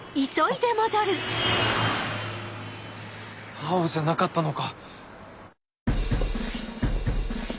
青じゃなかったのか。